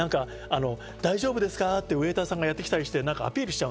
大丈夫ですか？ってウエイターさんがやってきたりしてアピールしちゃう。